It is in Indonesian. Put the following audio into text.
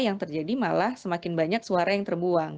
yang terjadi malah semakin banyak suara yang terbuang